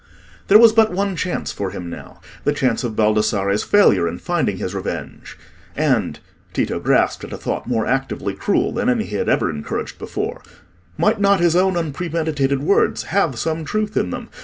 There was but one chance for him now; the chance of Baldassarre's failure in finding his revenge. And—Tito grasped at a thought more actively cruel than any he had ever encouraged before: might not his own unpremeditated words have some truth in them?